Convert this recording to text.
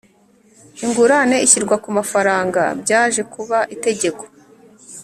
ingurane ishyirwa ku mafaranga Byaje kuba itegeko